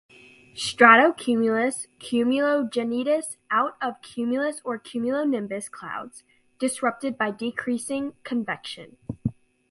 Stratocumulus Cumulogenitus out of cumulus or cumulonimbus clouds, disrupted by decreasing convection.